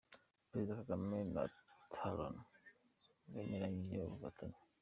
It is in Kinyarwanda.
Perezida Kagame na Talon bemeranyije ubufatanye